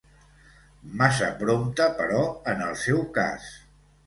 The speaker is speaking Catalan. Massa prompte, però, en el seu cas.